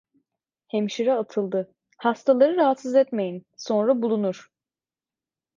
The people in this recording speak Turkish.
Hemşire atıldı: "Hastaları rahatsız etmeyin, sonra bulunur!".